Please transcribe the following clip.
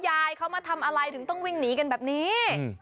ยายเขามาทำอะไรถึงต้องวิ่งหนีกันแบบนี้